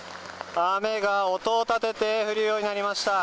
雨が音を立てて降るようになりました。